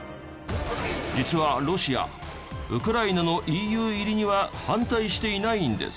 実はロシアウクライナのＥＵ入りには反対していないんです。